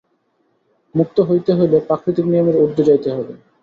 মুক্ত হইতে হইলে প্রাকৃতিক নিয়মের ঊর্ধ্বে যাইতে হইবে।